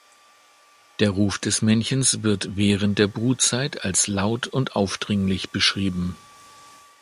Der Ruf des Männchens wird während der Brutzeit als laut und aufdringlich beschrieben.